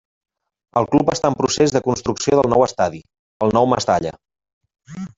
El club està en procés de construcció del nou estadi, el Nou Mestalla.